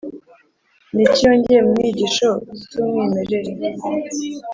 ni iki yongeye mu nyigisho z’umwimerere